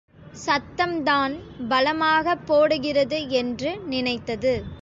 சத்தம்தான் பலமாகப் போடுகிறது என்று நினைத்தது.